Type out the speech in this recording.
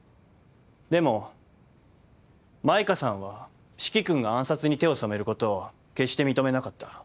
でも舞歌さんは四鬼君が暗殺に手を染めることを決して認めなかった。